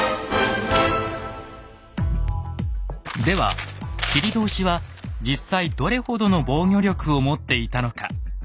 では切通は実際どれほどの防御力を持っていたのか。